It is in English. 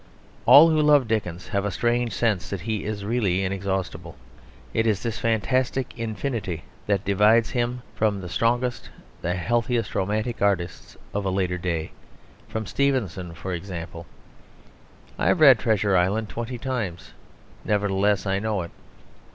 All who love Dickens have a strange sense that he is really inexhaustible. It is this fantastic infinity that divides him even from the strongest and healthiest romantic artists of a later day from Stevenson, for example. I have read Treasure Island twenty times; nevertheless I know it.